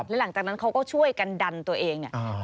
แล้วหลังจากนั้นเขาก็ช่วยกันดันตัวเองเนี่ย